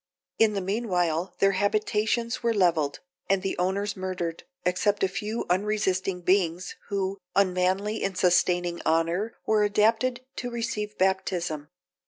In the mean while their habitations were levelled, and the owners murdered, except a few unresisting beings, who, unmanly in sustaining honour, were adapted to receive baptism.